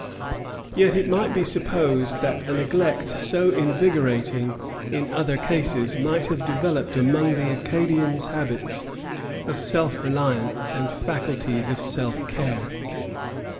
Yet it might be supposed that a neglect so invigorating in other cases might have developed among the Acadians habits of self reliance and faculties of self care.